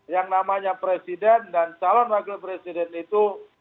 yang namanya presiden dan calon wakil presiden itu